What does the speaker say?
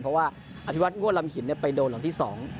เพราะว่าอธิวัติงว่ารำหินเนี่ยไปโดนหลังที่สอง